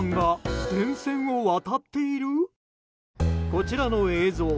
こちらの映像